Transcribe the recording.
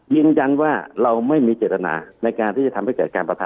ยืนยันว่าเราไม่มีเจตนาในการที่จะทำให้เกิดการประทะ